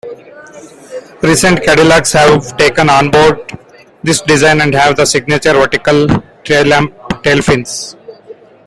Recent Cadillacs have taken onboard this design and have the signature vertical taillamp tailfins.